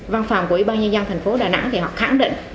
văn phòng của yên giang thành phố đà nẵng thì họ khẳng định